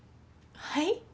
はい？